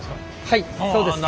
はいそうです。